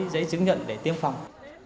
giấy chứng nhận để tiêm phòng